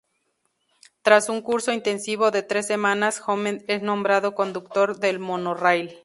Tras un curso "intensivo" de tres semanas, Homer es nombrado conductor del monorraíl.